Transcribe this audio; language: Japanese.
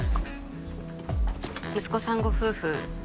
息子さんご夫婦